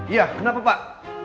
iya kenapa pak